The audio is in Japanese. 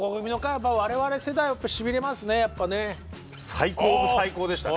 最高の最高でしたね。